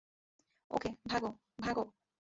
ওকে, ভাগো, ভাগো।